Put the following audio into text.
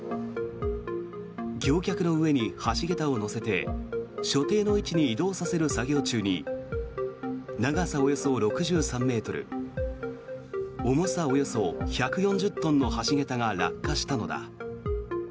橋脚の上に橋桁を載せて所定の位置に移動させる作業中に長さおよそ６３ｍ重さおよそ１４０トンの橋桁が落下したのだ。